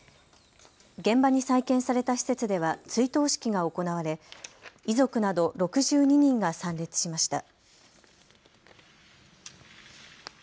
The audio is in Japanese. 現場に再建された施設では追悼式が行われ遺族など６２人が参列しました。